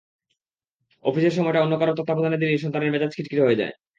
অফিসের সময়টা অন্য কারও তত্ত্বাবধানে দিলেই সন্তানের মেজাজ খিটখিটে হয়ে যায়।